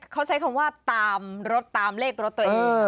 เขาใช้คำว่าตามรถตามเลขรถตัวเอง